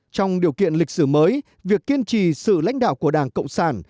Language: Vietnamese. trong điều kiện lịch sử mới việc kiên trì sự lãnh đạo của đảng cộng sản